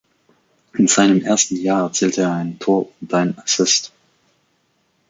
In seinem ersten Jahr erzielte er ein Tor und einen Assist.